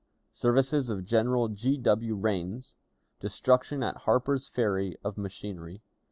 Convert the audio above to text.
Services of General G. W. Rains. Destruction at Harper's Ferry of Machinery.